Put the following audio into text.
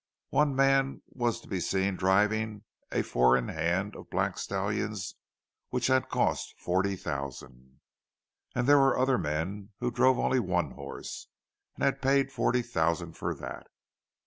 One man was to be seen here driving a four in hand of black stallions which had cost forty thousand; there were other men who drove only one horse, and had paid forty thousand for that.